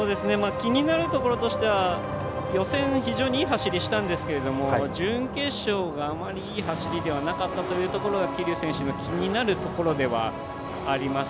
気になるところとしては予選、非常にいい走りをしたんですが準決勝があまりいい走りではなかったところが桐生選手の気になるところではあります。